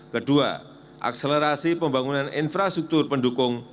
kedua akselerasi pembangunan infrastruktur pendukung